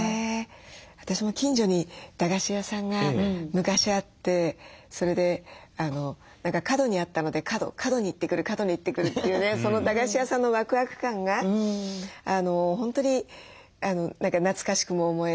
私も近所に駄菓子屋さんが昔あってそれで何か角にあったので「カドに行ってくるカドに行ってくる」っていうねその駄菓子屋さんのワクワク感が本当に何か懐かしくも思えて。